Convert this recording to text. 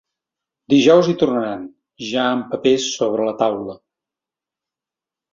Dijous hi tornaran, ja amb papers sobre la taula.